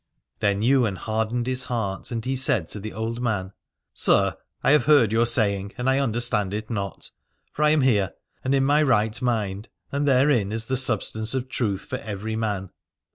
Then Ywain hardened his heart, and he said to the old man : Sir, I have heard your saying and I understand it not : for I am here, and in my right mind, and therein is the substance of truth for every man.